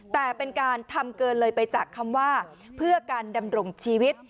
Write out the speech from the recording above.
แต่เป็นการทำเกินเลยไปจากคำว่าเพื่อการดำรงชีวิต